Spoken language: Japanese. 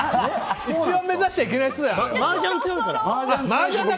一番目指しちゃいけない人だよ。